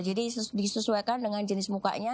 jadi disesuaikan dengan jenis mukanya